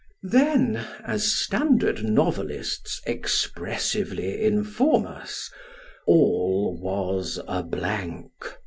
Then, as standard novelists expressively inform us " all was a blank